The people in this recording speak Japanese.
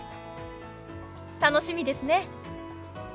楽しみですね。